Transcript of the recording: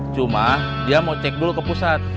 cuma dia mau cek dulu ke pusat